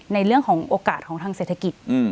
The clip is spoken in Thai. ในเรื่องของโอกาสของทางเศรษฐกิจ